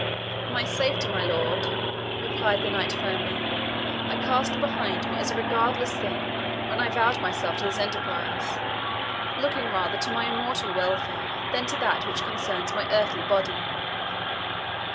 "My safety, my lord," replied the knight firmly, "I cast behind me as a regardless thing when I vowed myself to this enterprise, looking rather to my immortal welfare than to that which concerns my earthly body."